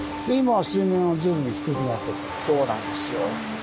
そうなんですよ。